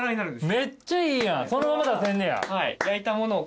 めっちゃいいやん。